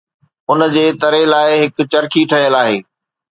ان جي تري لاءِ هڪ چرخي ٺهيل آهي